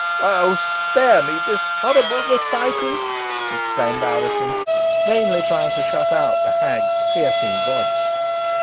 "Oh! spare me this horrible recital!" exclaimed Alizon, vainly trying to shut out the hag's piercing voice.